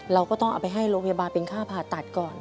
เราก็ต้องเอาไปให้โรงพยาบาลเป็นค่าผ่าตัดก่อน